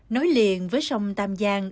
nối liền với sông tàm giang